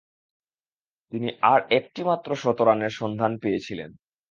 তিনি আর একটিমাত্র শতরানের সন্ধান পেয়েছিলেন।